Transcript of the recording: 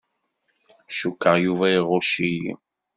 Cukkeɣ Yuba iɣucc-iyi.